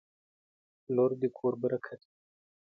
• لور د کور برکت وي.